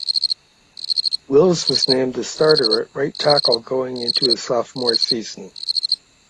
Wills was named the starter at right tackle going into his sophomore season.